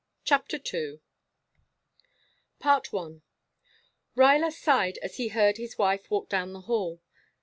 CHAPTER II I Ruyler sighed as he heard his wife walk down the hall.